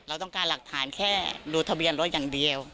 เราต้องการหลักฐานแค่ดูทะเบียนรถอย่างเดียว